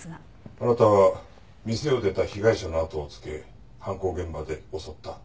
「あなたは店を出た被害者のあとをつけ犯行現場で襲った。